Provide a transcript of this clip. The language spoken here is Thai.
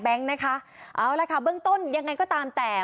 เพื่อนนายแบงค์นะคะเอาล่ะค่ะเบื้องต้นยังไงก็ตามแต่